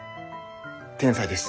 天才です。